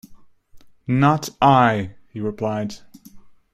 ‘Not I!’ he replied.